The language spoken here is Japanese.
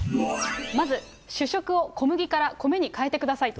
まず主食を小麦から米に変えてください。